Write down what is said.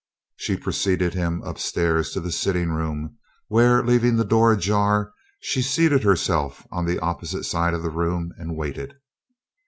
She preceded him up stairs to the sitting room, where, leaving the door ajar, she seated herself on the opposite side of the room and waited.